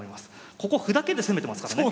ここ歩だけで攻めてますからね。